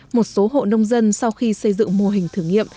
một số hộ nông dân sau khi xây dựng mô hình thử nghiệm